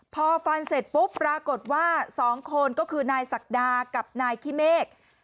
พอฟันเสร็จปุ๊บปรากฏว่า๒คนก็คือนายศักดากับนายขี้เมฆ